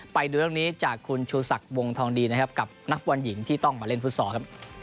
ไปดูเรื่องนี้จากคุณชูศักดิ์วงทองดีนะครับกับนักฟุตบอลหญิงที่ต้องมาเล่นฟุตซอลครับ